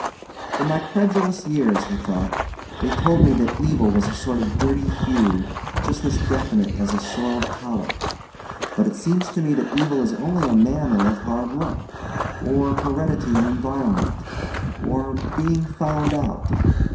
In my credulous years he thought they told me that evil was a sort of dirty hue, just as definite as a soiled collar, but it seems to me that evil is only a manner of hard luck, or heredity and environment, or "being found out."